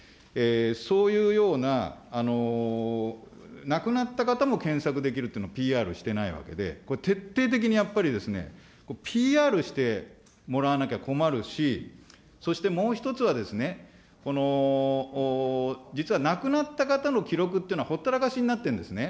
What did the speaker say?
そういうような亡くなった方も検索できるというのをＰＲしてないわけで、これ徹底的にやっぱり、ＰＲしてもらわなきゃ困るし、そしてもう１つは、この実は亡くなった方の記録っていうのは、ほったらかしになってるんですね。